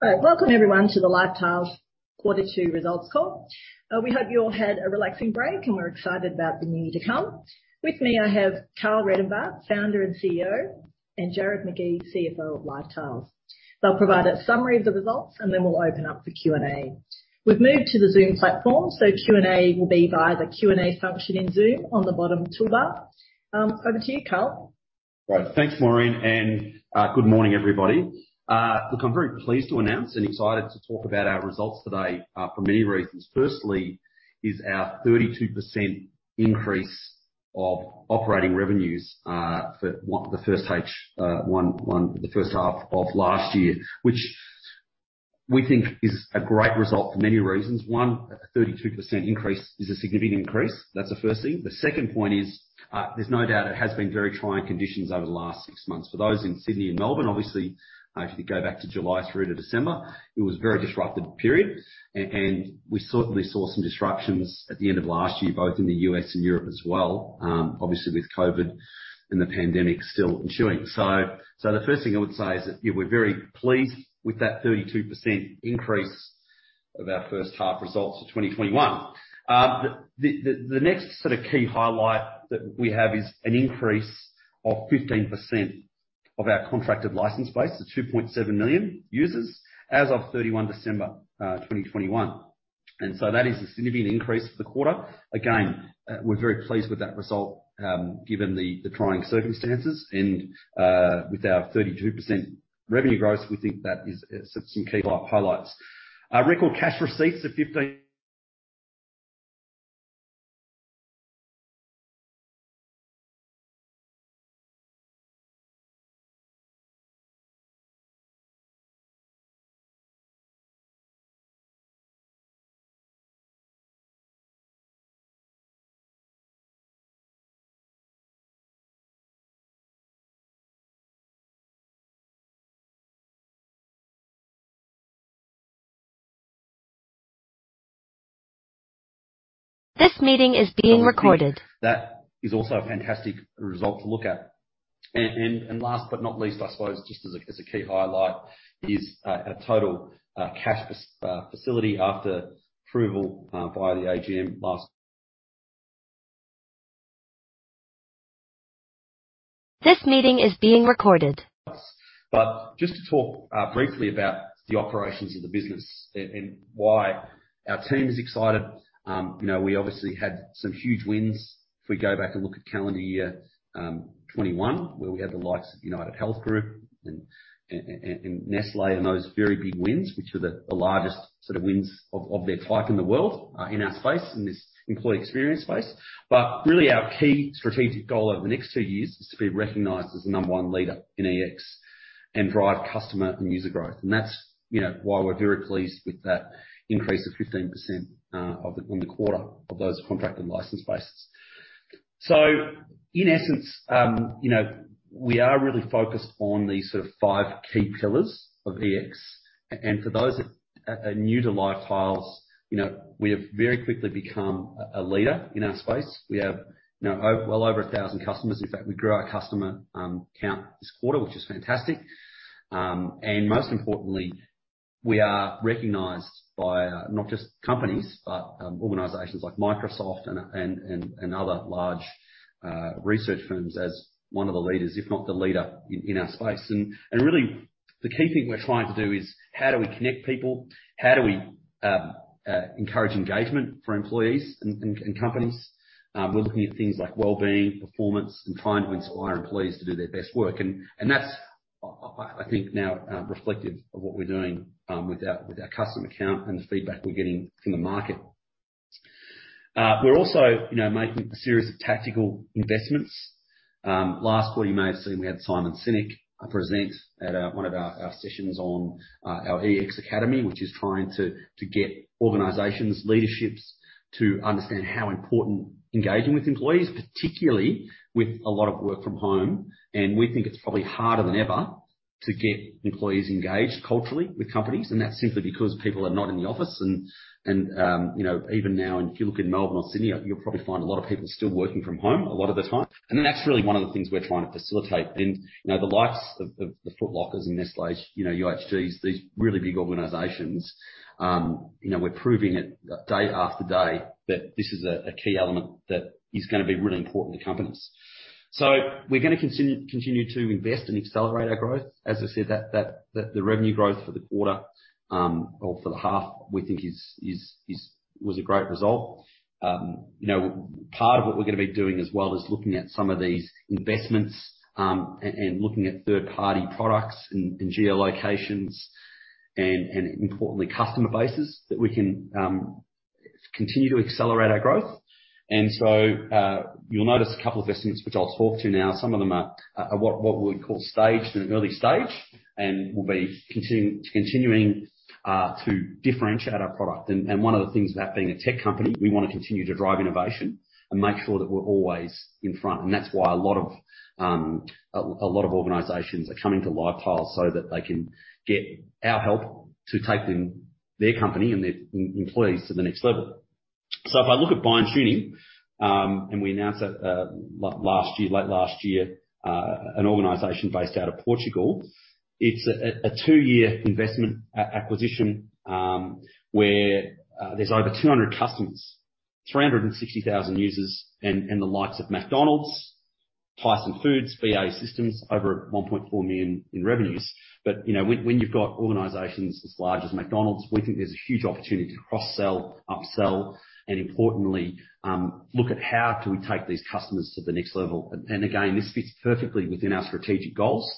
Welcome everyone to the LiveTiles Quarter Two Results call. We hope you all had a relaxing break, and we're excited about the new year to come. With me, I have Karl Redenbach, Founder and CEO, and Jarrod Magee, CFO of LiveTiles. They'll provide a summary of the results and then we'll open up for Q&A. We've moved to the Zoom platform, so Q&A will be via the Q&A function in Zoom on the bottom toolbar. Over to you, Karl. Right. Thanks, Maureen, and good morning, everybody. Look, I'm very pleased to announce and excited to talk about our results today for many reasons. Firstly, is our 32% increase of operating revenues for the first half of last year. Which we think is a great result for many reasons. One, a 32% increase is a significant increase. That's the first thing. The second point is there's no doubt it has been very trying conditions over the last six months. For those in Sydney and Melbourne, obviously, if you go back to July through to December, it was a very disrupted period. And we certainly saw some disruptions at the end of last year, both in the U.S. and Europe as well, obviously with COVID and the pandemic still ensuing. The first thing I would say is that we're very pleased with that 32% increase of our first half results of 2021. The next sort of key highlight that we have is an increase of 15% of our contracted license base to 2.7 million users as of 31 December 2021. That is a significant increase for the quarter. We're very pleased with that result, given the trying circumstances and with our 32% revenue growth, we think that is some key highlights. Our record cash receipts of 15- This meeting is being recorded. That is also a fantastic result to look at. Last but not least, I suppose just as a key highlight is our total cash facility after approval by the AGM last- This meeting is being recorded. Just to talk briefly about the operations of the business and why our team is excited. You know, we obviously had some huge wins. If we go back and look at calendar year 2021, where we had the likes of UnitedHealth Group and Nestlé and those very big wins, which were the largest sort of wins of their type in the world, in our space, in this employee experience space. Really our key strategic goal over the next two years is to be recognized as the number one leader in EX and drive customer and user growth. That's, you know, why we're very pleased with that increase of 15% on the quarter of those contracted license bases. In essence, you know, we are really focused on this sort of five key pillars of EX. And for those that are new to LiveTiles, you know, we have very quickly become a leader in our space. We have, you know, well over 1,000 customers. In fact, we grew our customer count this quarter, which is fantastic. Most importantly, we are recognized by not just companies, but organizations like Microsoft and other large research firms as one of the leaders, if not the leader in our space. Really the key thing we're trying to do is how do we connect people? How do we encourage engagement for employees and companies? We're looking at things like well-being, performance, and trying to inspire employees to do their best work. That's I think now reflective of what we're doing with our customer count and the feedback we're getting from the market. We're also, you know, making a series of tactical investments. Last quarter you may have seen we had Simon Sinek present at one of our sessions on our EX Academy, which is trying to get organizations' leaderships to understand how important engaging with employees, particularly with a lot of work from home. We think it's probably harder than ever to get employees engaged culturally with companies. That's simply because people are not in the office and, you know, even now, and if you look in Melbourne or Sydney, you'll probably find a lot of people still working from home a lot of the time. That's really one of the things we're trying to facilitate. You know, the likes of the Foot Locker's and Nestlé's, you know, UHG's, these really big organizations, you know, we're proving it day after day that this is a key element that is gonna be really important to companies. We're gonna continue to invest and accelerate our growth. As I said, the revenue growth for the quarter or for the half, we think was a great result. You know, part of what we're gonna be doing as well is looking at some of these investments and looking at third-party products in geo-locations and importantly customer bases that we can continue to accelerate our growth. You'll notice a couple of investments which I'll talk to now. Some of them are what we call staged and early stage, and we'll be continuing to differentiate our product. One of the things about being a tech company, we want to continue to drive innovation and make sure that we're always in front. That's why a lot of organizations are coming to LiveTiles so that they can get our help to take their company and their employees to the next level. If I look at BindTuning, and we announced that last year, late last year, an organization based out of Portugal. It's a two-year investment acquisition, where there's over 200 customers, 360,000 users, and the likes of McDonald's, Tyson Foods, BAE Systems, over 1.4 million in revenues. You know, when you've got organizations as large as McDonald's, we think there's a huge opportunity to cross-sell, upsell, and importantly, look at how do we take these customers to the next level. This fits perfectly within our strategic goals.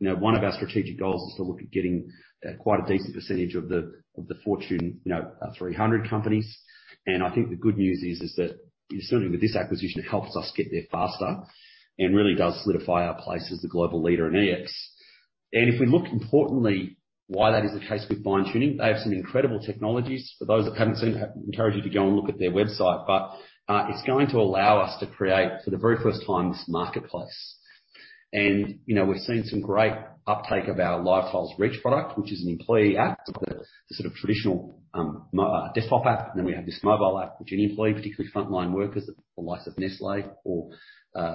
You know, one of our strategic goals is to look at getting quite a decent percentage of the Fortune 300 companies. I think the good news is that certainly with this acquisition, it helps us get there faster and really does solidify our place as the global leader in EX. If we look importantly why that is the case with BindTuning, they have some incredible technologies. For those that haven't seen, I encourage you to go and look at their website. It's going to allow us to create for the very first time this marketplace. You know, we've seen some great uptake of our LiveTiles Reach product, which is an employee app. It's like a sort of traditional desktop app. Then we have this mobile app which any employee, particularly frontline workers, the likes of Nestlé or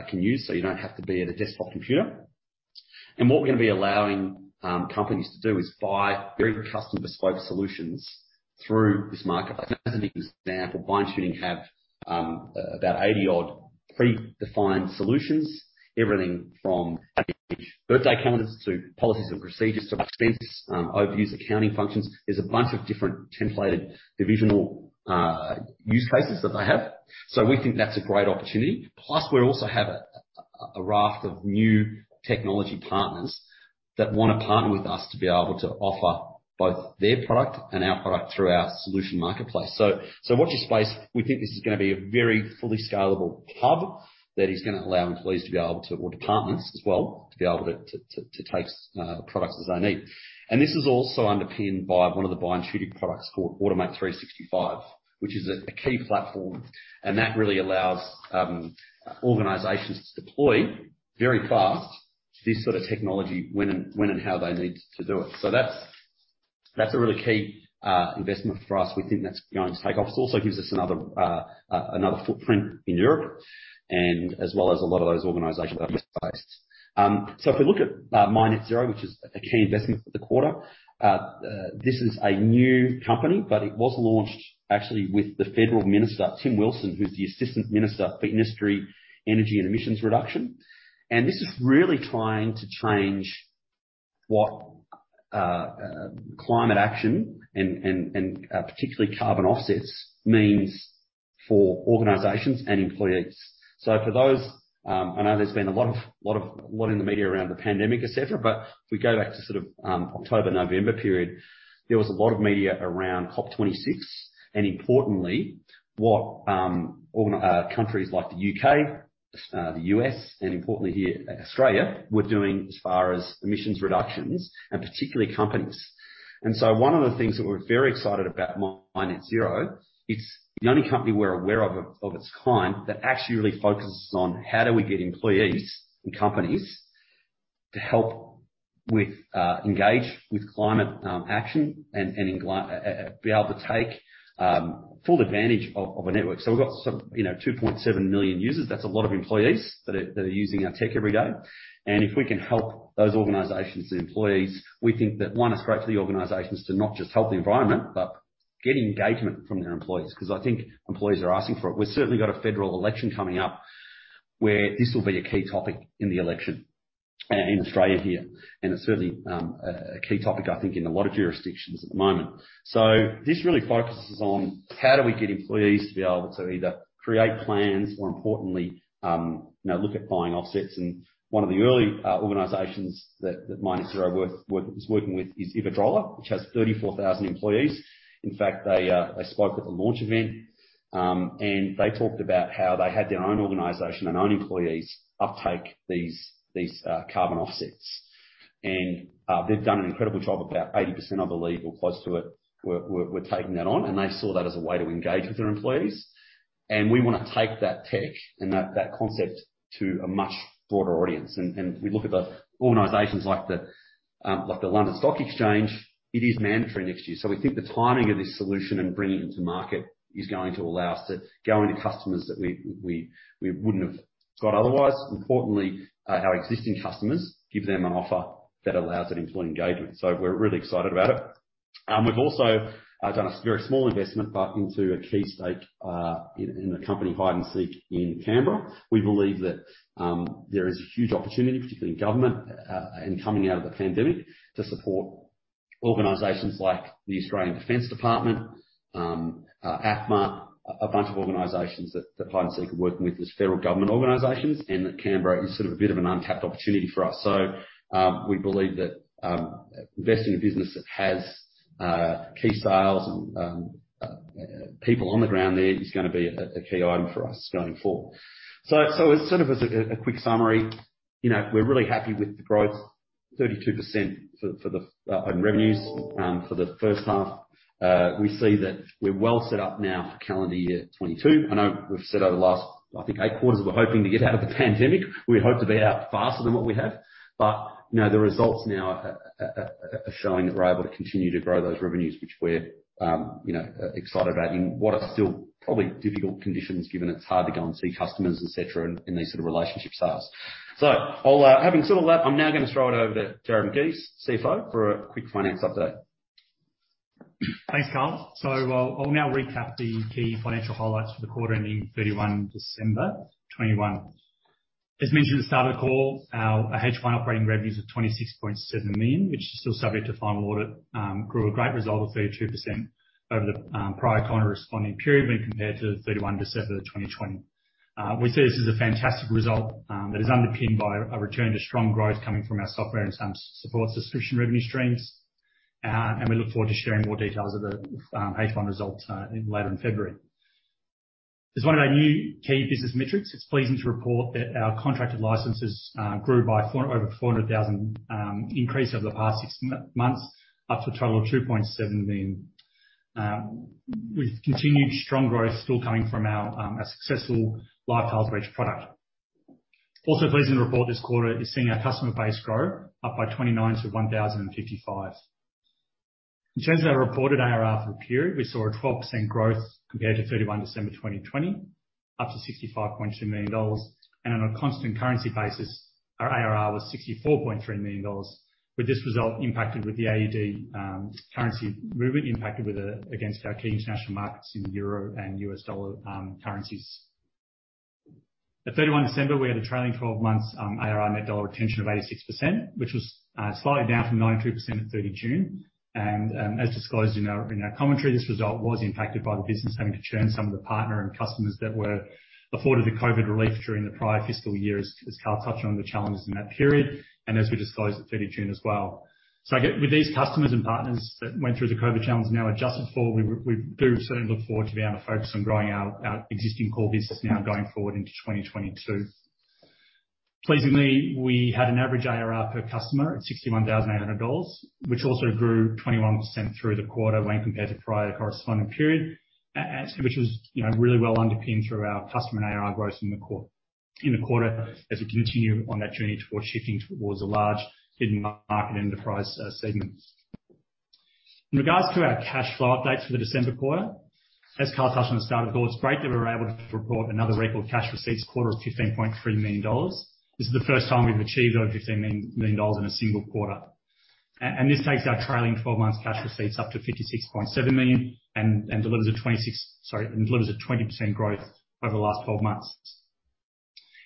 can use, so you don't have to be at a desktop computer. What we're gonna be allowing companies to do is buy very custom bespoke solutions through this marketplace. As an example, BindTuning have about 80-odd, predefined solutions, everything from birthday calendars to policies and procedures to expense overviews, accounting functions. There's a bunch of different templated divisional use cases that they have. We think that's a great opportunity. Plus, we also have a raft of new technology partners that wanna partner with us to be able to offer both their product and our product through our solution marketplace. Watch this space. We think this is gonna be a very fully scalable hub that is gonna allow employees or departments as well to be able to take products as they need. This is also underpinned by one of the BindTuning products called Automate 365, which is a key platform, and that really allows organizations to deploy very fast this sort of technology when and how they need to do it. That's a really key investment for us. We think that's going to take off. This also gives us another footprint in Europe and as well as a lot of those organizations that are U.S.-based. If we look at My Net Zero, which is a key investment for the quarter, this is a new company, but it was launched actually with the federal minister, Tim Wilson, who's the Assistant Minister for Industry, Energy and Emissions Reduction. This is really trying to change what climate action and particularly carbon offsets means for organizations and employees. For those, I know there's been a lot in the media around the pandemic, et cetera, but if we go back to sort of October, November period, there was a lot of media around COP26 and importantly, what countries like the U.K., the U.S., and importantly here, Australia were doing as far as emissions reductions and particularly companies. One of the things that we're very excited about My Net Zero, it's the only company we're aware of its kind that actually really focuses on how do we get employees and companies to help engage with climate action and be able to take full advantage of a network. We've got some, you know, 2.7 million users. That's a lot of employees that are using our tech every day. If we can help those organizations and employees, we think that one, it's great for the organizations to not just help the environment but get engagement from their employees. 'Cause I think employees are asking for it. We've certainly got a federal election coming up where this will be a key topic in the election, in Australia here, and it's certainly a key topic, I think, in a lot of jurisdictions at the moment. This really focuses on how we get employees to be able to either create plans or importantly, you know, look at buying offsets. One of the early organizations that My Net Zero is working with is Iberdrola, which has 34,000 employees. In fact, they spoke at the launch event, and they talked about how they had their own organization, their own employee's uptake these carbon offsets. They've done an incredible job. About 80%, I believe, or close to it were taking that on, and they saw that as a way to engage with their employees. We wanna take that tech and that concept to a much broader audience. We look at the organizations like the London Stock Exchange. It is mandatory next year. We think the timing of this solution and bringing it into market is going to allow us to go into customers that we wouldn't have got otherwise. Importantly, our existing customers give them an offer that allows that employee engagement. We're really excited about it. We've also done a very small investment, but into a key stake in the company Hide and Seek in Canberra. We believe that there is a huge opportunity, particularly in government, and coming out of the pandemic, to support organizations like the Australian Defence Department, ACMA, a bunch of organizations that Hide and Seek are working with as federal government organizations, and that Canberra is sort of a bit of an untapped opportunity for us. We believe that investing in a business that has key sales and people on the ground there is gonna be a key item for us going forward. As sort of a quick summary, you know, we're really happy with the growth 32% for the on revenues for the first half. We see that we're well set up now for calendar year 2022. I know we've said over the last, I think, eight quarters, we're hoping to get out of the pandemic. We had hoped to be out faster than what we have. You know, the results now are showing that we're able to continue to grow those revenues, which we're, you know, excited about in what are still probably difficult conditions, given it's hard to go and see customers, et cetera, in these sorts of relationship styles. All that. Having said all that, I'm now gonna throw it over to Jarrod Magee, CFO, for a quick finance update. Thanks, Karl. I'll now recap the key financial highlights for the quarter ending 31 December 2021. As mentioned at the start of the call, our H1 operating revenues of 26.7 million, which is still subject to final audit, grew 32%, a great result, over the prior corresponding period when compared to 31 December 2020. We see this as a fantastic result that is underpinned by a return to strong growth coming from our software and some support subscription revenue streams. We look forward to sharing more details of the H1 results later in February. As one of our new key business metrics, it's pleasing to report that our contracted licenses grew by over 400,000, an increase over the past six months, up to a total of 2.7 million. With continued strong growth still coming from our successful LiveTiles CultureEdge product. Also pleasing to report this quarter is seeing our customer base grow by 29 to 1,055. In terms of our reported ARR for the period, we saw a 12% growth compared to 31 December 2020, up to 65.2 million dollars. On a constant currency basis, our ARR was 64.3 million dollars. With this result impacted by the AUD currency movement against our key international markets in the euro and US dollar currencies. At, 31 December, we had a trailing twelve months ARR net dollar retention of 86%, which was slightly down from 92% at 30 June. As disclosed in our commentary, this result was impacted by the business having to churn some of the partner and customers that were afforded the COVID relief during the prior fiscal year, as Karl touched on the challenges in that period, and as we disclosed at 30 June as well. I guess with these customers and partners that went through the COVID challenge now adjusted for, we do certainly look forward to being able to focus on growing our existing core business now going forward into 2022. Pleasingly, we had an average ARR per customer at 61,800 dollars, which also grew 21% through the quarter when compared to prior corresponding period. Which was, you know, really well underpinned through our customer ARR growth in the quarter as we continue on that journey towards shifting towards the large hidden market enterprise segments. In regards to our cash flow updates for the December quarter, as Carl touched on the start of the call, it's great that we're able to report another record cash receipts quarter of 15.3 million dollars. This is the first time we've achieved over 15 million dollars in a single quarter. This takes our trailing twelve months cash receipts up to 56.7 million and delivers a 20% growth over the last twelve months.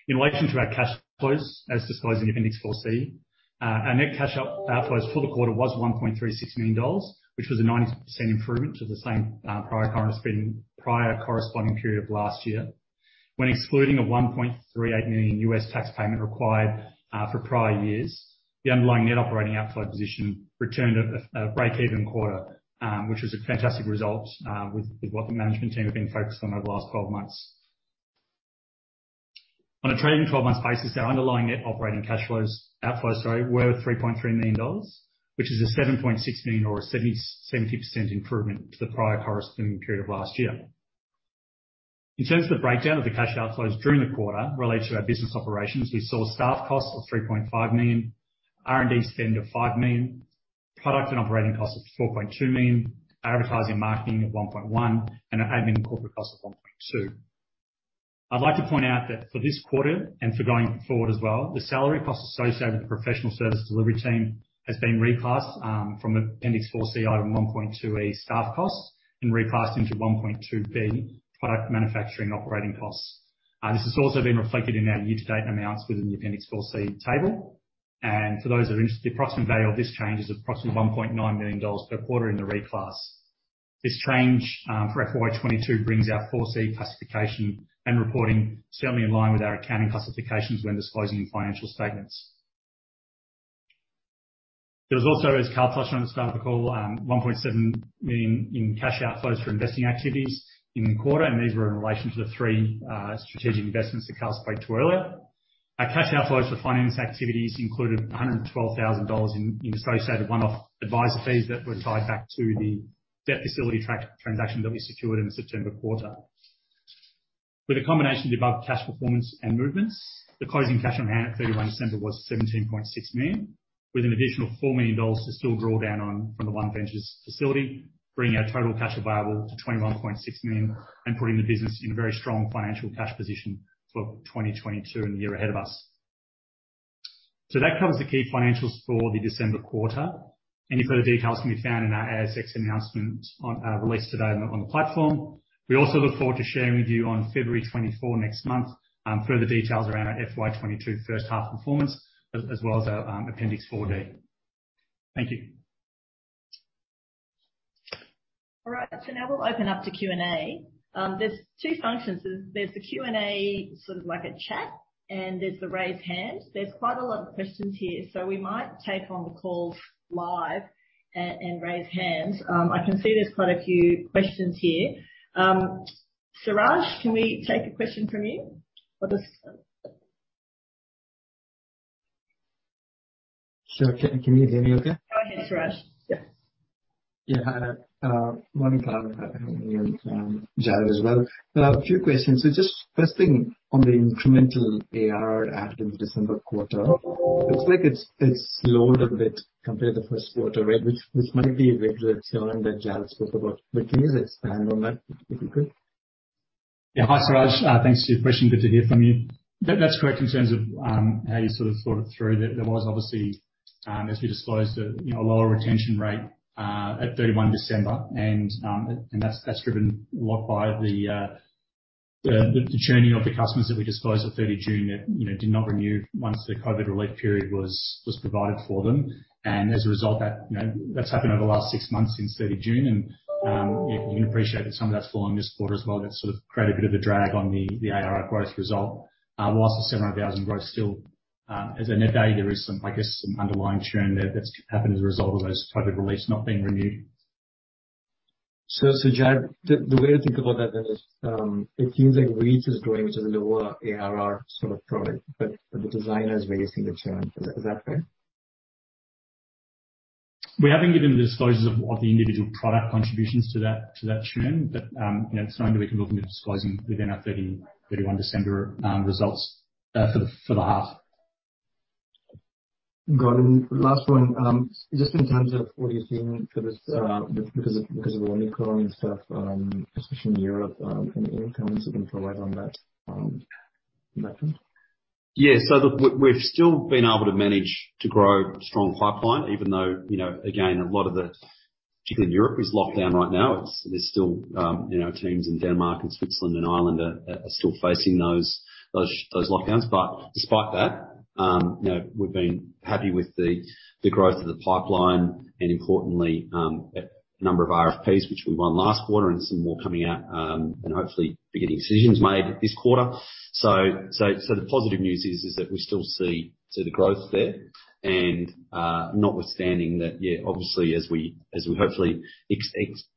In relation to our cash flows as disclosed in Appendix 4C, our net cash outflows for the quarter was $1.36 million, which was a 90% improvement to the same prior corresponding period of last year. When excluding a $1.38 million US tax payment required for prior years, the underlying net operating outflow position returned a breakeven quarter, which is a fantastic result with what the management team have been focused on over the last 12 months. On a trading 12-month basis, our underlying net operating cash outflows were $3.3 million, which is a $7.6 million or 70% improvement to the prior corresponding period of last year. In terms of the breakdown of the cash outflows during the quarter related to our business operations, we saw staff costs of 3.5 million, R&D spend of 5 million, product and operating costs of 4.2 million, advertising marketing at 1.1, and our admin and corporate costs of 1.2. I'd like to point out that for this quarter, and for going forward as well, the salary costs associated with the professional service delivery team has been reclassed from Appendix 4C item 1.2A, staff costs, and reclassed into 1.2B, product manufacturing operating costs. This has also been reflected in our year-to-date amounts within the Appendix 4C table. For those that are interested, the approximate value of this change is approximately 1.9 million dollars per quarter in the reclass. This change for FY 2022 brings our 4C classification and reporting certainly in line with our accounting classifications when disclosing in financial statements. There was also, as Karl touched on at the start of the call, 1.7 million in cash outflows for investing activities in the quarter, and these were in relation to the three strategic investments that Karl spoke to earlier. Our cash outflows for finance activities included 112,000 dollars in associated one-off advisor fees that were tied back to the debt facility transaction that we secured in the September quarter. With the combination of the above cash performance and movements, the closing cash on hand at 31 December was 17.6 million, with an additional AUD 4 million to still draw down on from the OneVentures facility, bringing our total cash available to 21.6 million and putting the business in a very strong financial cash position for 2022 and the year ahead of us. That covers the key financials for the December quarter. Any further details can be found in our ASX announcement released today on the platform. We also look forward to sharing with you on February 24 next month further details around our FY 2022 first half performance as well as our Appendix 4D. Thank you. All right. Now we'll open up to Q&A. There's two functions. There's the Q&A, sort of like a chat, and there's the raise hand. There's quite a lot of questions here, so we might take on the calls live and raise hands. I can see there's quite a few questions here. Suraj, can we take a question from you? What is it? Can you hear me okay? Go ahead, Suraj. Yeah. Morning, Karl. And Jarrod as well. A few questions. Just first thing on the incremental AR added in December quarter. Looks like it's slowed a bit compared to the first quarter, right? Which might be related to that Jarrod spoke about. Can you just expand on that, if you could? Yeah. Hi, Suraj. Thanks for your question. Good to hear from you. That's correct in terms of how you sort of thought it through. There was obviously, as we disclosed, you know, a lower retention rate at 31 December and that's driven a lot by the churning of the customers that we disclosed at 30 June that, you know, did not renew once the COVID relief period was provided for them. As a result, that's happened over the last six months since 30 June. You can appreciate that some of that's fallen this quarter as well. That's sort of created a bit of a drag on the ARR growth result. While the 700,000 growth still, as a net value, there is some, I guess, some underlying churn there that's happened as a result of those COVID reliefs not being renewed. Jarrod, the way to think about that then is, it seems like Reach is growing to the lower ARR sort of product. Is that raising the churn? Is that fair? We haven't given the disclosures of the individual product contributions to that trend. You know, it's something we can look into disclosing within our 31 December results for the half. Got it. Last one. Just in terms of what you're seeing for this, because of the Omicron stuff, especially in Europe, any outcomes you can provide on that, in that front? Yeah. We've still been able to manage to grow strong pipeline even though, you know, again, particularly in Europe is locked down right now. There's still, you know, teams in Denmark and Switzerland and Ireland are still facing those lockdowns. But despite that, you know, we've been happy with the growth of the pipeline and importantly, a number of RFPs which we won last quarter and some more coming out and hopefully be getting decisions made this quarter. The positive news is that we still see the growth there and, notwithstanding that, yeah, obviously as we hopefully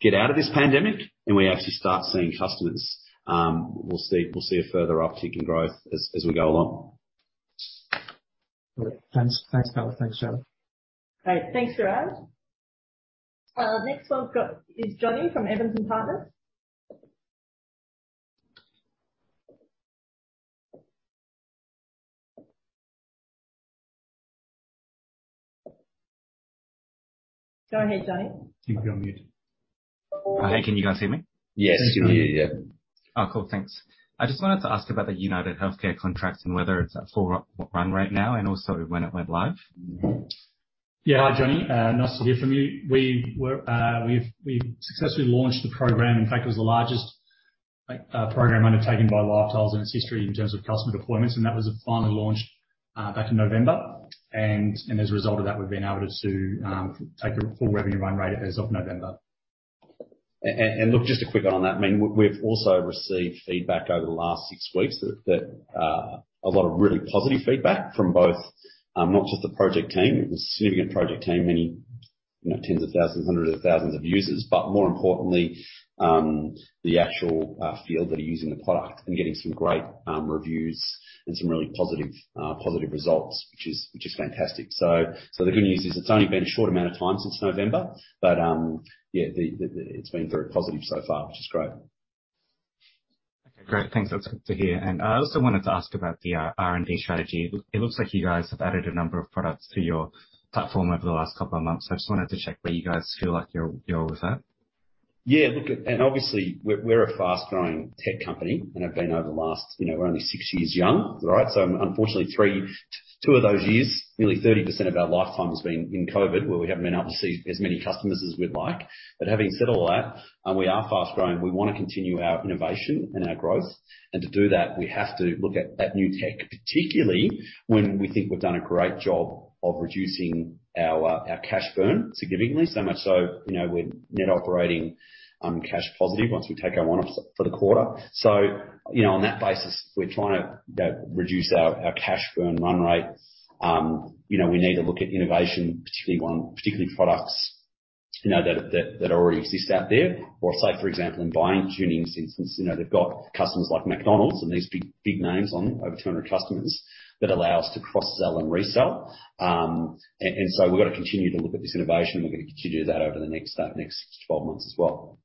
get out of this pandemic and we actually start seeing customers, we'll see a further uptick in growth as we go along. Great. Thanks. Thanks, Karl. Thanks, Jarrod. Great. Thanks, Suraj. Next one I've got is Johnny from Evans & Partners. Go ahead, Johnny. I think you're on mute. Hi, can you guys hear me? Yes. We can hear you, yeah. Oh, cool. Thanks. I just wanted to ask about the UnitedHealthcare contracts and whether it's at full run rate right now and also when it went live. Yeah. Hi, Johnny. Nice to hear from you. We've successfully launched the program. In fact, it was the largest, like, program undertaken by LiveTiles in its history in terms of customer deployments, and that was finally launched back in November. As a result of that, we've been able to take a full revenue run rate as of November. Look, just a quick add on that. I mean, we've also received feedback over the last six weeks that a lot of really positive feedback from both, not just the project team. It was a significant project team, many, you know, tens of thousands, hundreds of thousands of users. But more importantly, the actual field that are using the product and getting some great reviews and some really positive results which is fantastic. The good news is it's only been a short amount of time since November but yeah, it's been very positive so far which is great. Okay, great. Thanks. That's good to hear. I also wanted to ask about the R&D strategy. It looks like you guys have added a number of products to your platform over the last couple of months. I just wanted to check where you guys feel like you're with that. Look, obviously we're a fast-growing tech company and have been over the last, you know, we're only six years young, right? Unfortunately, two of those years, nearly 30% of our lifetime has been in COVID where we haven't been able to see as many customers as we'd like. Having said all that, we are fast growing. We wanna continue our innovation and our growth. To do that, we have to look at new tech, particularly when we think we've done a great job of reducing our cash burn significantly. So much so, you know, we're net operating cash positive once we take our one-offs for the quarter. You know, on that basis we're trying to reduce our cash burn run rate. You know, we need to look at innovation particularly products, you know, that already exist out there or say for example in BindTuning's instance. You know, they've got customers like McDonald's and these big names, over 200 customers that allow us to cross-sell and resell. We've got to continue to look at this innovation. We're gonna continue that over the next 12 months as well.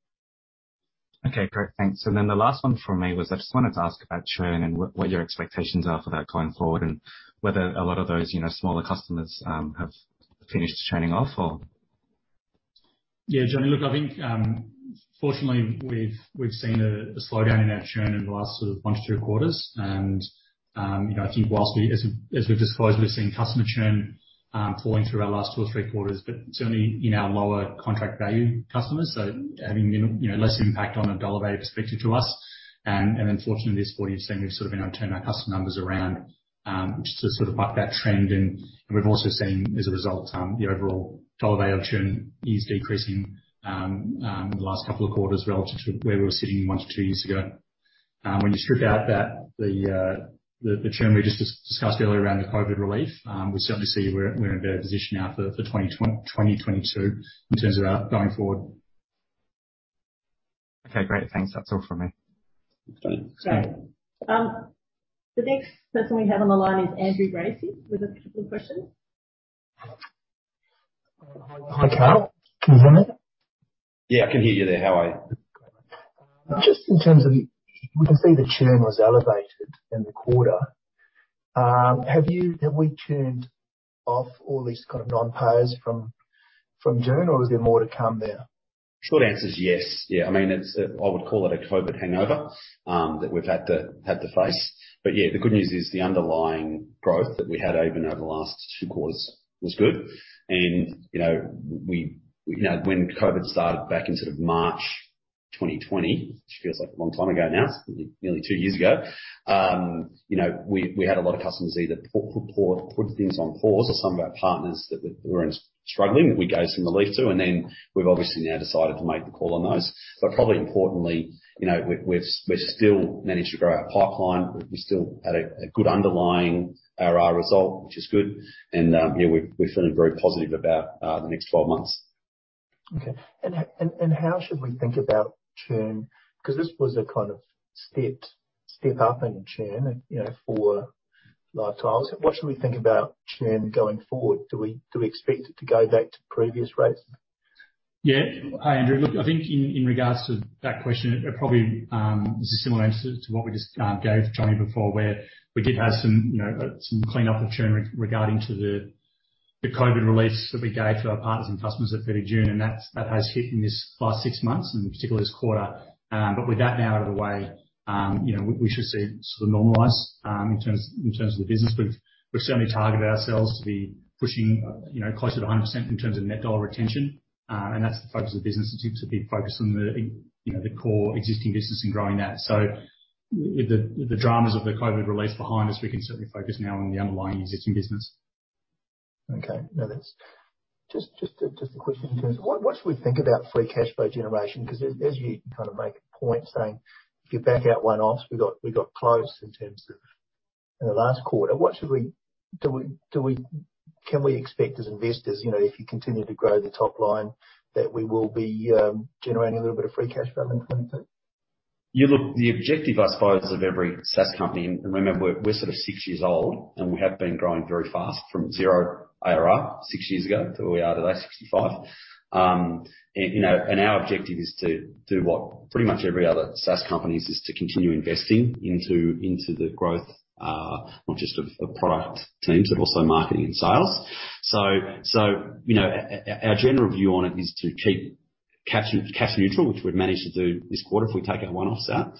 Okay, great. Thanks. The last one from me was I just wanted to ask about churn and what your expectations are for that going forward and whether a lot of those, you know, smaller customers, have finished churning off or? Yeah. Johnny, look, I think fortunately we've seen a slowdown in our churn in the last sort of 1-2 quarters. You know, I think whilst we've disclosed, we've seen customer churn falling through our last 2-3 quarters, but certainly in our lower contract value customers. Having, you know, less impact on a dollar value perspective to us. Unfortunately, this quarter you've seen we've sort of been able to turn our customer numbers around, which is to sort of buck that trend. We've also seen as a result the overall dollar value of churn is decreasing in the last couple of quarters relative to where we were sitting one-two years ago. When you strip out that the churn we just discussed earlier around the COVID relief, we certainly see we're in a better position now for 2022 in terms of our going forward Okay, great. Thanks. That's all for me. Okay. The next person we have on the line is Andrew Gracey with a couple of questions. Hi, Karl. Can you hear me? Yeah, I can hear you there. How are you? We can see the churn was elevated in the quarter. Have we churned off all these kinds of non-payers from June, or is there more to come there? Short answer is yes. Yeah. I mean, I would call it a COVID hangover that we've had to face. Yeah, the good news is the underlying growth that we had even over the last two quarters was good. You know, when COVID started back in sort of March 2020, which feels like a long time ago now, nearly two years ago, you know, we had a lot of customers either put things on pause or some of our partners that were struggling that we gave some relief to. We've obviously now decided to make the call on those. Probably importantly, you know, we've still managed to grow our pipeline. We still had a good underlying ARR result, which is good. Yeah, we're feeling very positive about the next 12 months. Okay. How should we think about churn? Because this was a kind of step up in churn, you know, for LiveTiles. What should we think about churn going forward? Do we expect it to go back to previous rates? Hi, Andrew. Look, I think in regards to that question, it probably is a similar answer to what we just gave Johnny before, where we did have some, you know, some clean-up of churn regarding to the COVID release that we gave to our partners and customers at 30 June, and that has hit in this last six months and particularly this quarter. But with that now out of the way, you know, we should see it sort of normalize in terms of the business. We've certainly targeted ourselves to be pushing, you know, closer to 100% in terms of net dollar retention. And that's the focus of the business, is to be focused on the core existing business and growing that. With the dramas of the COVID release behind us, we can certainly focus now on the underlying existing business. Okay. No, that's just a question in terms of what should we think about free cash flow generation. Because as you kind of make a point saying, if you back out one-offs, we got close in terms of the last quarter. Can we expect as investors, you know, if you continue to grow the top line, that we will be generating a little bit of free cash flow in 2022? Yeah, look, the objective, I suppose, of every SaaS company, and remember we're sort of six years old, and we have been growing very fast from zero ARR six years ago to where we are today, 65. You know, our objective is to do what pretty much every other SaaS company's is to continue investing into the growth, not just of product teams, but also marketing and sales. You know, our general view on it is to keep cash neutral, which we've managed to do this quarter if we take our one-offs out.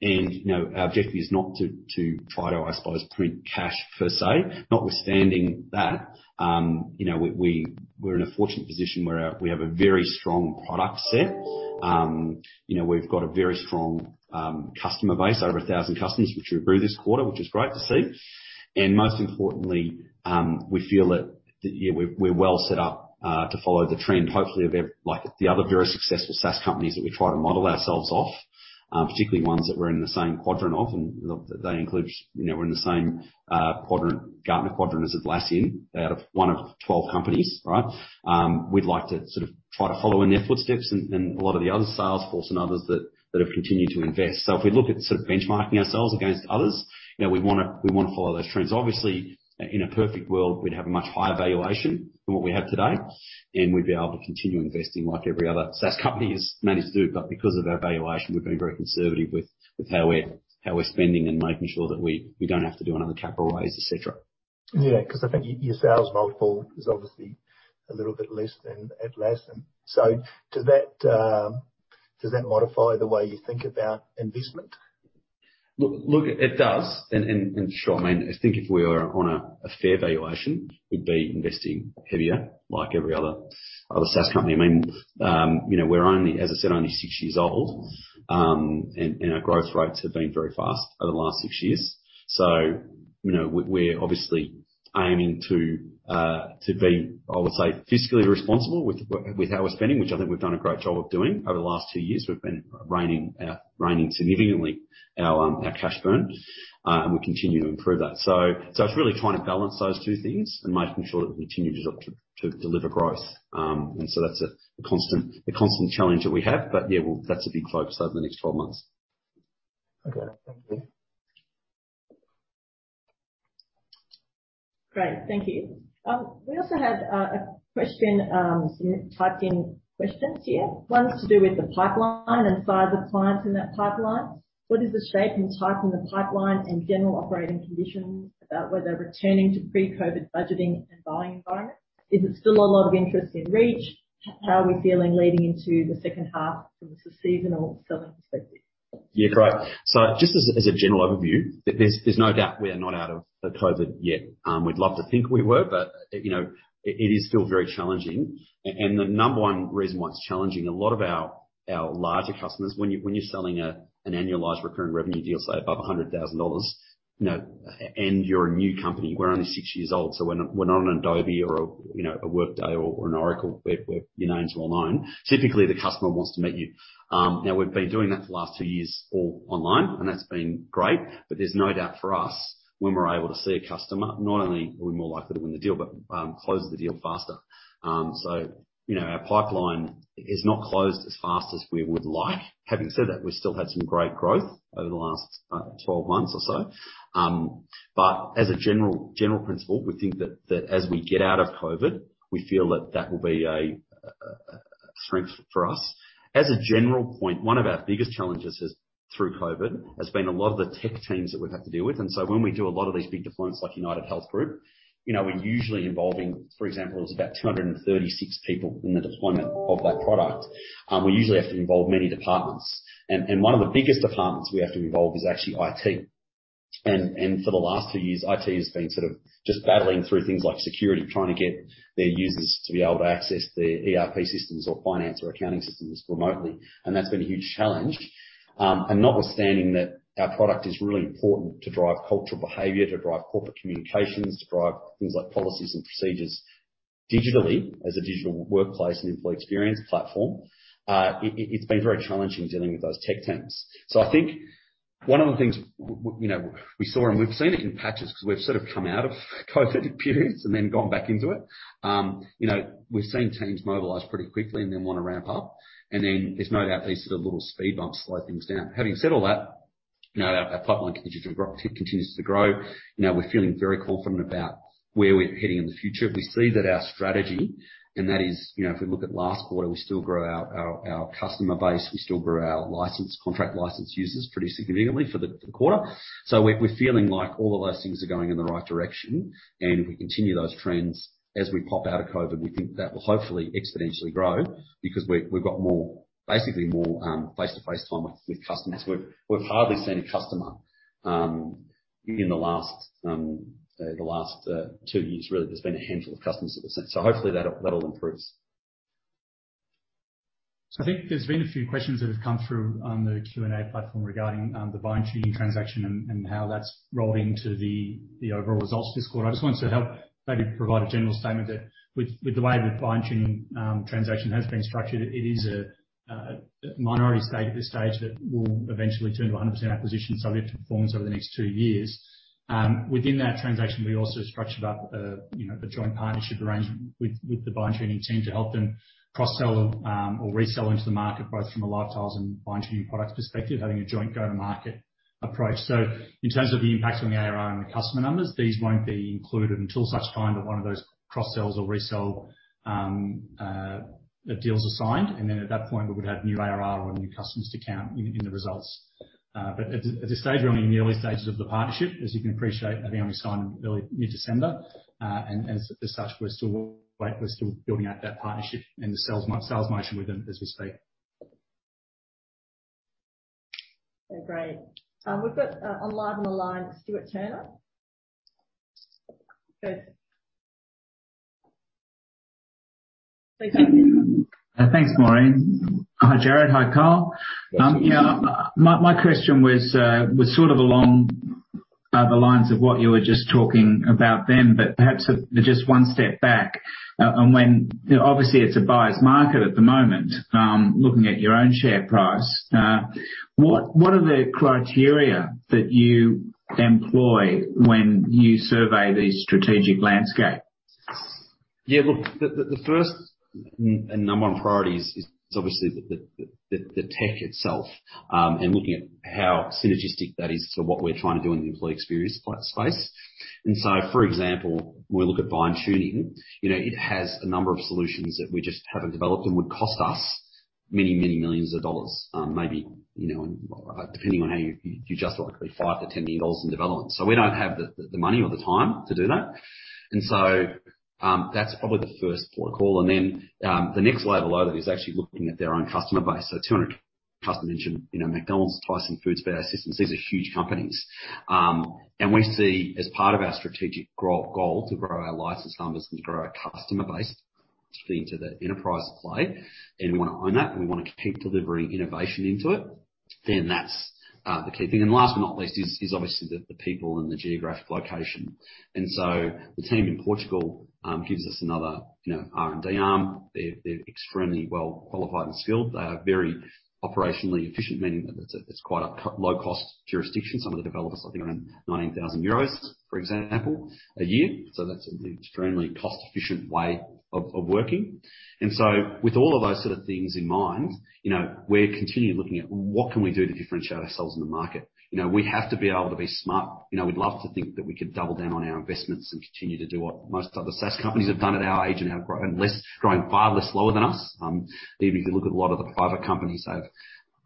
You know, our objective is not to try to, I suppose, print cash per se. Notwithstanding that, you know, we're in a fortunate position where we have a very strong product set. You know, we've got a very strong customer base, over 1,000 customers, which we grew this quarter, which is great to see. Most importantly, we feel that, yeah, we're well set up to follow the trend, hopefully of like the other very successful SaaS companies that we try to model ourselves off, particularly ones that we're in the same quadrant of, and they include, you know, we're in the same quadrant, Gartner quadrant as Atlassian, out of one of 12 companies, right? We'd like to sort of try to follow in their footsteps and a lot of the other Salesforce and others that have continued to invest. If we look at sort of benchmarking ourselves against others, you know, we wanna follow those trends. Obviously, in a perfect world, we'd have a much higher valuation than what we have today, and we'd be able to continue investing like every other SaaS company has managed to do. Because of our valuation, we've been very conservative with how we're spending and making sure that we don't have to do another capital raise, etc. Yeah, 'cause I think your sales multiple is obviously a little bit less than Atlassian. Does that modify the way you think about investment? Look, it does. Sure. I mean, I think if we were on a fair valuation, we'd be investing heavier like every other SaaS company. I mean, you know, we're only, as I said, only six years old. Our growth rates have been very fast over the last six years. You know, we're obviously aiming to be, I would say, fiscally responsible with how we're spending, which I think we've done a great job of doing. Over the last two years, we've been reining in significantly our cash burn, and we continue to improve that. It's really trying to balance those two things and making sure that we continue to deliver growth. That's a constant challenge that we have. Yeah, that's a big focus over the next 12 months. Okay. Thank you. Great. Thank you. We also had a question; some typed in questions here. One's to do with the pipeline and size of clients in that pipeline. What is the shape and type in the pipeline and general operating conditions about whether returning to pre-COVID budgeting and buying environment? Is it still a lot of interest in Reach? How are we feeling leading into the second half from the seasonal selling perspective? Yeah, great. Just as a general overview, there's no doubt we are not out of the COVID yet. We'd love to think we were, but you know, it is still very challenging. The number one reason why it's challenging, a lot of our larger customers, when you are selling an annualized recurring revenue deal, say above 100,000 dollars, you know, and you are a new company, we're only six years old, so we're not an Adobe or you know, a Workday or an Oracle where your names are well-known. Typically, the customer wants to meet you. Now we've been doing that for the last two years all online, and that's been great. There's no doubt for us when we're able to see a customer, not only are we more likely to win the deal but close the deal faster. You know, our pipeline is not closed as fast as we would like. Having said that, we still had some great growth over the last 12 months or so. As a general principle, we think that as we get out of COVID, we feel that that will be a strength for us. As a general point, one of our biggest challenges has been, through COVID, a lot of the tech teams that we've had to deal with. When we do a lot of these big deployments like UnitedHealth Group, you know, we're usually involving, for example, there's about 236 people in the deployment of that product. We usually have to involve many departments. One of the biggest departments we have to involve is actually IT. For the last two years, IT has been sort of just battling through things like security, trying to get their users to be able to access their ERP systems or finance or accounting systems remotely. That's been a huge challenge. Notwithstanding that our product is really important to drive cultural behavior, to drive corporate communications, to drive things like policies and procedures digitally as a digital workplace and employee experience platform, it's been very challenging dealing with those tech teams. I think one of the things you know, we saw, and we've seen it in patches because we've sort of come out of COVID periods and then gone back into it. You know, we've seen teams mobilize pretty quickly and then wanna ramp up. There's no doubt these sorts of little speed bumps slow things down. Having said all that, you know, our pipeline continues to grow. You know, we're feeling very confident about where we're heading in the future. We see that our strategy, and that is, you know, if we look at last quarter, we still grow our customer base. We still grow our license, contract license users pretty significantly for the quarter. We're feeling like all of those things are going in the right direction. If we continue those trends as we pop out of COVID, we think that will hopefully exponentially grow because we've got more, basically more, face-to-face time with customers. We've hardly seen a customer in the last two years, really. There's been a handful of customers that we've seen. Hopefully that'll improve. I think there's been a few questions that have come through on the Q&A platform regarding the BindTuning transaction and how that's rolled into the overall results this quarter. I just wanted to help maybe provide a general statement that with the way the BindTuning transaction has been structured, it is a minority stake at this stage that will eventually turn to a 100% acquisition subject to performance over the next two years. Within that transaction, we also structured up you know the joint partnership arrangement with the BindTuning team to help them cross-sell or resell into the market, both from a LiveTiles and BindTuning products perspective, having a joint go-to-market approach. In terms of the impact on the ARR and the customer numbers, these won't be included until such time that one of those cross-sells or resell deals are signed. At that point, we would have new ARR or new customers to count in the results. At this stage, we're only in the early stages of the partnership. As you can appreciate, I think only signed in early mid-December. As such, we're still building out that partnership and the sales motion with them as we speak. Okay, great. We've got Stuart Turner on the line. Go ahead. Please go ahead. Thanks, Maureen. Hi, Jarrod. Hi, Karl. Yes. Yeah. My question was sort of along the lines of what you were just talking about then, but perhaps just one step back. When you know, obviously it's a buyer's market at the moment, looking at your own share price, what are the criteria that you employ when you survey these strategic landscapes? Yeah. Look, the first and number one priority is obviously the tech itself and looking at how synergistic that is to what we're trying to do in the employee experience space. For example, when we look at BindTuning, you know, it has a number of solutions that we just haven't developed and would cost us many millions of dollars, maybe and depending on how you adjust it, likely 5 million-10 million dollars in development. We don't have the money or the time to do that. The next level below that is actually looking at their own customer base. 200 customers mentioned, you know, McDonald's, Tyson Foods, FedEx, these are huge companies. We see as part of our strategic growth goal to grow our license numbers and grow our customer base, speaking to the enterprise play, and we wanna own that, and we wanna keep delivering innovation into it, then that's the key thing. Last but not least is obviously the people and the geographic location. The team in Portugal gives us another, you know, R&D arm. They're extremely well qualified and skilled. They are very operationally efficient, meaning that it's quite a low cost jurisdiction. Some of the developers, I think, are on 19,000 euros, for example, a year. So that's an extremely cost-efficient way of working. With all of those sort of things in mind, you know, we're continually looking at what can we do to differentiate ourselves in the market. You know, we have to be able to be smart. You know, we'd love to think that we could double down on our investments and continue to do what most other SaaS companies have done at our age and have grown less, grown far less slower than us. Even if you look at a lot of the private companies have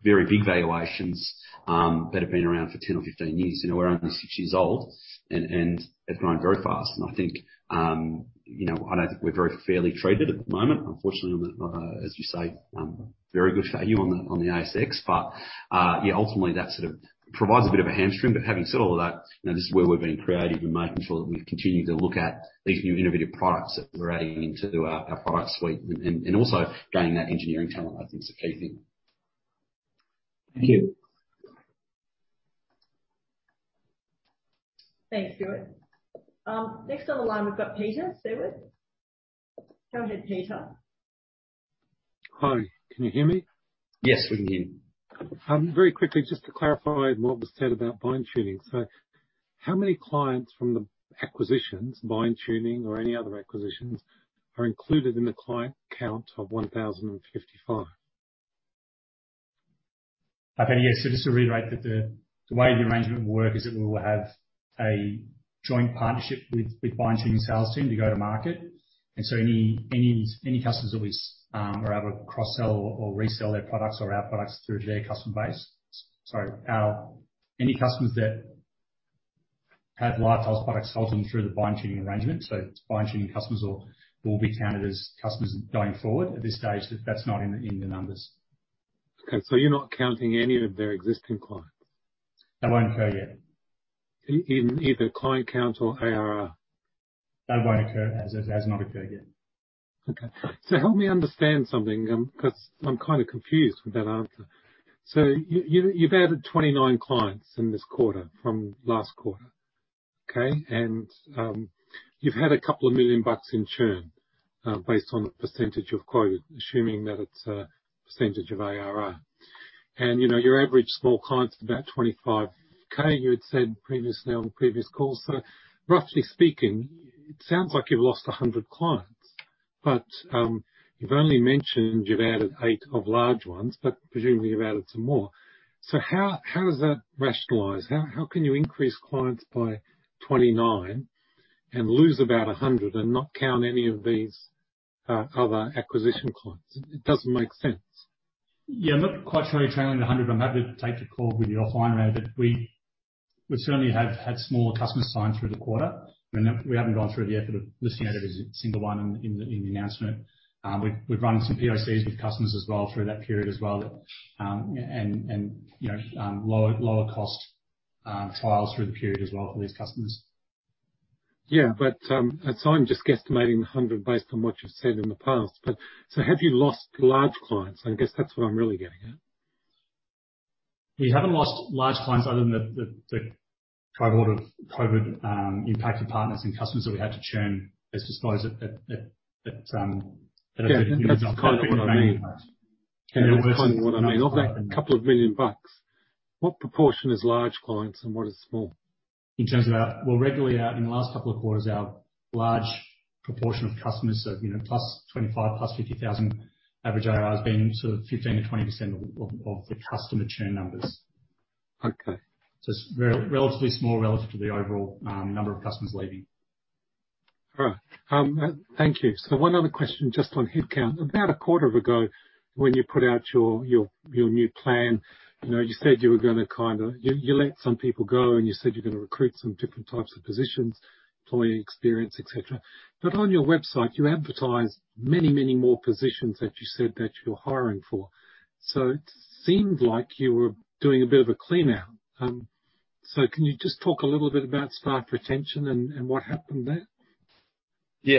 very big valuations, that have been around for 10 or 15 years. You know, we're only 6 years old and have grown very fast. I think, you know, I don't think we're very fairly traded at the moment. Unfortunately, on the, as you say, very good value on the, on the ASX. Yeah, ultimately, that sort of provides a bit of a hamstring. Having said all of that, you know, this is where we're being creative and making sure that we continue to look at these new innovative products that we're adding into our product suite and also gaining that engineering talent, I think is the key thing. Thank you. Thanks, Stuart. Next on the line, we've got Peter Seward. Go ahead, Peter. Hi, can you hear me? Yes, we can hear you. Very quickly, just to clarify what was said about BindTuning. How many clients from the acquisitions, BindTuning or any other acquisitions, are included in the client count of 1,055? Okay. Yes. Just to reiterate that the way the arrangement will work is that we will have a joint partnership with BindTuning sales team to go to market. Any customers that we are able to cross-sell or resell their products or our products through their customer base. Sorry. Any customers that have LiveTiles products sold to them through the BindTuning arrangement. BindTuning customers will be counted as customers going forward. At this stage, that's not in the numbers. Okay. You're not counting any of their existing clients? That won't occur yet. In either client count or ARR? That won't occur. It has not occurred yet. Okay. Help me understand something, 'cause I'm kinda confused with that answer. You've added 29 clients in this quarter from last quarter. Okay. You've had a couple of million bucks in churn based on the percentage you've quoted, assuming that it's a percentage of ARR. You know, your average small client is about 25K, you had said previously on the previous call. Roughly speaking, it sounds like you've lost 100 clients. You've only mentioned you've added 8 of large ones, but presumably you've added some more. How does that rationalize? How can you increase clients by 29 and lose about 100 and not count any of these other acquisition clients? It doesn't make sense. Yeah. I'm not quite sure where you're trialing the hundred. I'm happy to take the call with you offline around it. We certainly have had smaller customers sign through the quarter. I mean, we haven't gone through the effort of listing out every single one in the announcement. We've run some POCs with customers as well through that period as well. You know, lower cost trials through the period as well for these customers. I'm just guesstimating the hundred based on what you've said in the past. Have you lost large clients? I guess that's what I'm really getting at. We haven't lost large clients other than the three quarters of COVID impacted partners and customers that we had to churn. Let's just close it at a- Yeah. That's kind of what I mean. Of that couple of million bucks, what proportion is large clients and what is small? Well, regularly, in the last couple of quarters, our large proportion of customers of, you know, plus 25, plus 50,000 average ARR has been sort of 15%-20% of the customer churn numbers. Okay. Just relatively small relative to the overall number of customers leaving. All right. Thank you. One other question just on headcount. About a quarter ago, when you put out your new plan, you know, you said you let some people go, and you said you're gonna recruit some different types of positions, employee experience, et cetera. On your website, you advertise many, many more positions that you said you're hiring for. It seemed like you were doing a bit of a clean out. Can you just talk a little bit about staff retention and what happened there?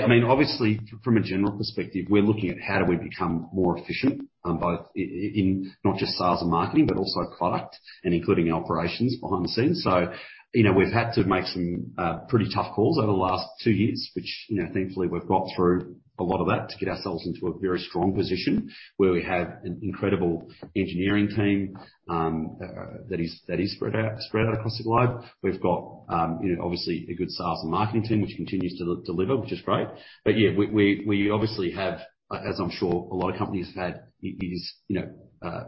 I mean, obviously, from a general perspective, we're looking at how do we become more efficient, both in not just sales and marketing, but also product and including operations behind the scenes. We've had to make some pretty tough calls over the last two years, which thankfully we've got through a lot of that to get ourselves into a very strong position where we have an incredible engineering team that is spread out across the globe. We've got obviously a good sales and marketing team, which continues to deliver, which is great. Yeah, we obviously have, as I'm sure a lot of companies have, is, you know,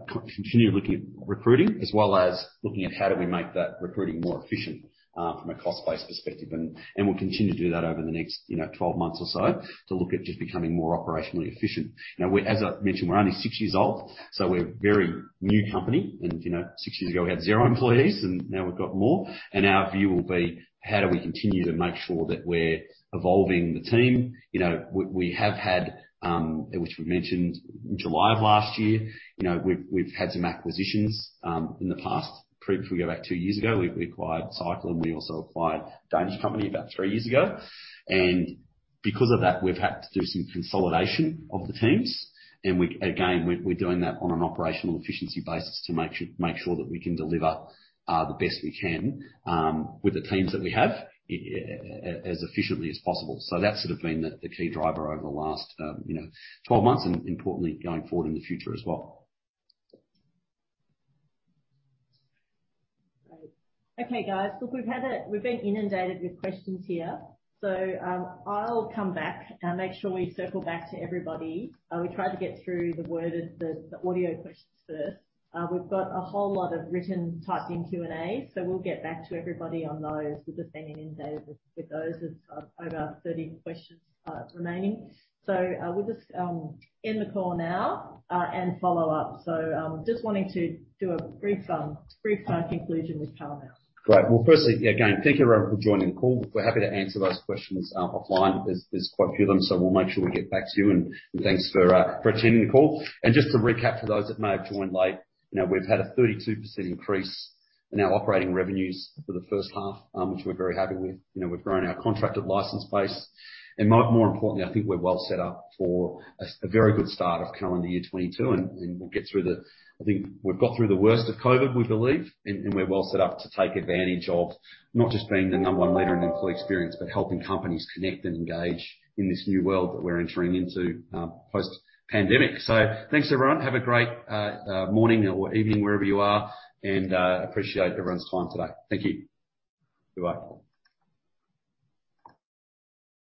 continue looking at recruiting as well as looking at how do we make that recruiting more efficient, from a cost-based perspective. We'll continue to do that over the next, you know, 12 months or so to look at just becoming more operationally efficient. You know, we're, as I mentioned, we're only six years old, so we're a very new company. You know, six years ago, we had zero employees, and now we've got more. Our view will be how do we continue to make sure that we're evolving the team. You know, we have had, which we've mentioned in July of last year. You know, we've had some acquisitions in the past. If we go back two years ago, we acquired CYCL AG, and we also acquired Wizdom about three years ago. Because of that, we've had to do some consolidation of the teams. Again, we're doing that on an operational efficiency basis to make sure that we can deliver the best we can with the teams that we have as efficiently as possible. That's sort of been the key driver over the last you know 12 months and importantly going forward in the future as well. Great. Okay, guys. Look, we've been inundated with questions here. I'll come back and make sure we circle back to everybody. We try to get through the written, the audio questions first. We've got a whole lot of written typed in Q&A. We'll get back to everybody on those. We've just been inundated with those. There are over 30 questions remaining. We'll just end the call now and follow up. Just wanting to do a brief conclusion with Karl now. Great. Well, firstly, yeah, again, thank you everyone for joining the call. We're happy to answer those questions offline. There's quite a few of them, so we'll make sure we get back to you. Thanks for attending the call. Just to recap for those that may have joined late, you know, we've had a 32% increase in our operating revenues for the first half, which we're very happy with. You know, we've grown our contracted license base. More importantly, I think we're well set up for a very good start of calendar year 2022. We'll get through. I think we've got through the worst of COVID, we believe. We're well set up to take advantage of not just being the number one leader in employee experience, but helping companies connect and engage in this new world that we're entering into, post-pandemic. Thanks, everyone. Have a great morning or evening, wherever you are. I appreciate everyone's time today. Thank you. Goodbye.